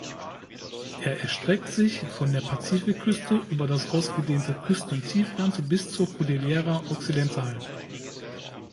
Er erstreckt sich von der Pazifikküste über das ausgedehnte Küstentiefland bis zur Cordillera Occidental.